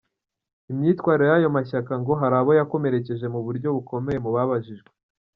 Imyitwarire y’ayo mashyaka ngo hari abo yakomerekeje mu buryo bukomeye mu babajijwe.